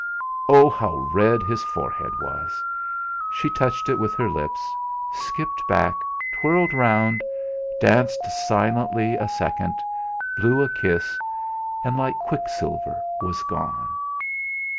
Oh! How red his forehead was! She touched it with her lips; skipped back, twirled round, danced silently a second, blew a kiss, and like quicksilver was gone.